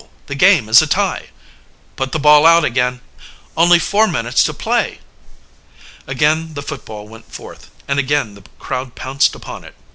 The game is a tie!" "Put the ball out again!" "Only four minutes to play!" Again the football went forth, and again the crowd pounced upon it.